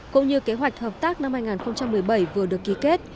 cũng như kế hoạch hợp tác năm hai nghìn một mươi bảy vừa được ký kết